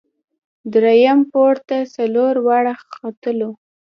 درییم پوړ ته څلور واړه ختلو.